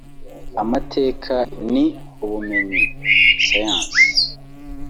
Amateka ni ubumenyi (science)